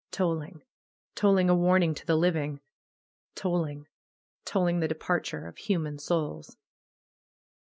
Tolling ! Tolling a warning to the living ! Tolling ! Tolling the departure of hu man souls